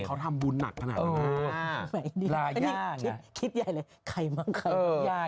เขาทำบุญหนักขนาดไหนมาอีกหลายาไงอันนี้คิดใหญ่เลยใครมั้งเขา